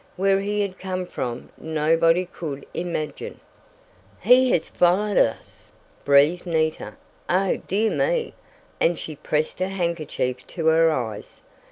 Where he had come from, nobody could imagine. "He has followed us!" breathed Nita. "Oh, dear me!" and she pressed her handkerchief to her eyes.